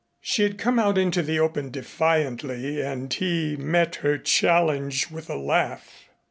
She had come out into the open defiantly and he met her challenge with a laugh.